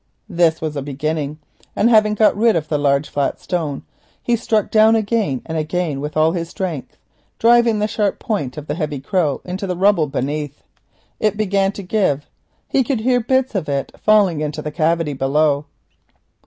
Here was a beginning, and having got rid of the large flat stone he struck down again and again with all his strength, driving the sharp point of the heavy crow into the rubble work beneath. It began to give, he could hear bits of it falling into the cavity below.